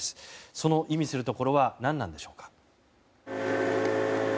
その意味するところは何なんでしょうか。